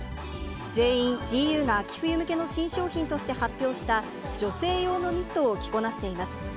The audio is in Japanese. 全員、ＧＵが秋冬向けの新商品として発表した、女性用のニットを着こなしています。